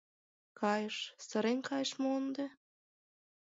Кайыш, сырен кайыш мо ынде...